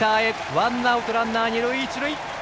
ワンアウトランナー、二塁一塁。